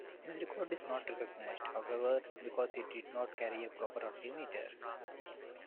His record is not recognized, however, because he did not carry a proper altimeter.